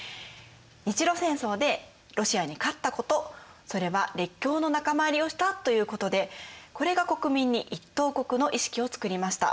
日露戦争でロシアに勝ったことそれは列強の仲間入りをしたということでこれが国民に一等国の意識を作りました。